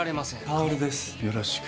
薫です、よろしく。